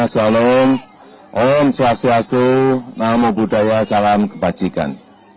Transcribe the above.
shalom om swastiastu namo buddhaya salam kebajikan